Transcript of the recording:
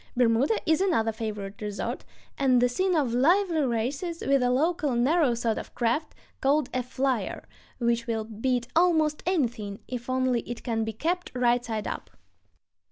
Bermuda is another favorite resort, and the scene of lively races with a local, narrow sort of craft, called a "flyer," which will beat almost anything if only it can be kept right side up.